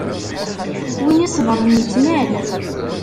Win iṣebṛen, ittnal.